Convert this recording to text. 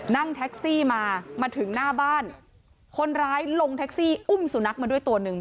นั่งแท็กซี่มามาถึงหน้าบ้านคนร้ายลงแท็กซี่อุ้มสุนัขมาด้วยตัวหนึ่ง